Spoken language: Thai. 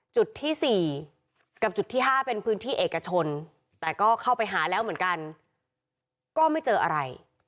จุดที่๔กับจุดที่๕เป็นพื้นที่เอกชนแต่ก็เข้าไปหาแล้วเหมือนกันก็ไม่เจออะไร